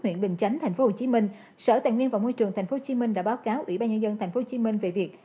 huyện bình chánh tp hcm sở tài nguyên và môi trường tp hcm đã báo cáo ủy ban nhân dân tp hcm về việc